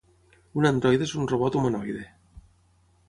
Un androide és un robot humanoide.